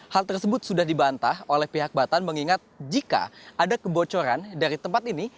hal tersebut sudah dibantah oleh pihak batan mengingat jika ada kebocoran dari tempat ini